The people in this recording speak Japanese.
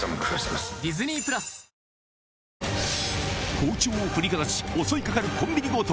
包丁を振りかざし、襲いかかるコンビニ強盗。